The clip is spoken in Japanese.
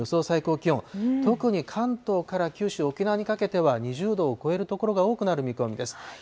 最高気温、特に関東から九州、沖縄にかけては、２０度を超える所が多くなる見込みです。